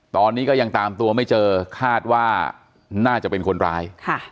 ตอนนี้ก็ยังตามตัวไม่เจอคาดว่าน่าจะเป็นคนร้าย